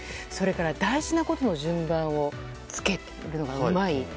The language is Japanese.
それから大事なことの順番をつけるのがうまい。